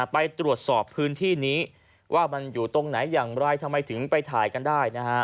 ไปตรวจสอบพื้นที่นี้ว่ามันอยู่ตรงไหนอย่างไรทำไมถึงไปถ่ายกันได้